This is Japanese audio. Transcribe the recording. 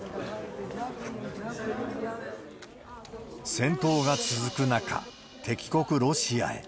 戦闘が続く中、敵国ロシアへ。